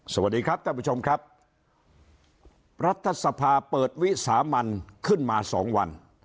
สวัสดีครับท่านผู้ชมครับรัฐสภาเปิดวิสามันขึ้นมาสองวัน